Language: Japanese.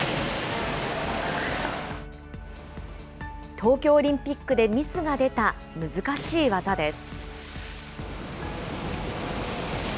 東京オリンピックでミスが出た難しい技です。